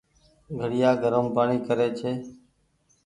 گھڙيآ گرم پآڻيٚ ڪري ڇي۔